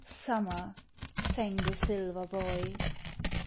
summer ! sang the silver boy.